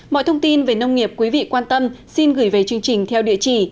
mọi thông tin về nông nghiệp quý vị quan tâm xin gửi về chương trình theo địa chỉ